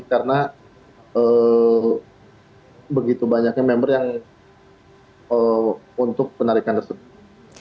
karena begitu banyaknya member yang untuk penarikan tersebut